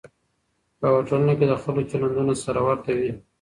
په یوه ټولنه کې د خلکو چلندونه سره ورته وي.